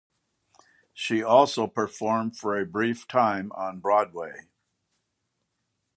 She also performed for a brief time on Broadway.